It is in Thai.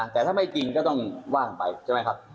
แต่ถ้าไม่จริงก็ต้องว่างไปใช่ไหมครับ